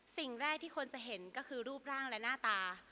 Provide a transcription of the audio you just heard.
สิ่งแรกที่คนจะเห็นก็คือรูปร่างและหน้าตา